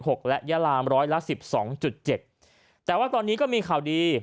และยาลามร้อยละสิบสองจุดเจ็ดแต่ว่าตอนนี้ก็มีข่าวดี